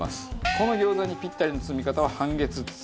この餃子にぴったりの包み方は半月包みです。